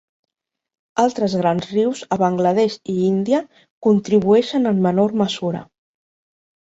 Altres grans rius a Bangladesh i Índia contribueixen en menor mesura.